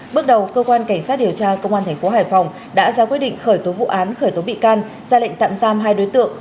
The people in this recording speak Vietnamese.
bước đầu cơ quan cảnh sát điều tra công an thành phố hải phòng đã ra quyết định khởi tố vụ án khởi tố bị can ra lệnh tạm giam hai đối tượng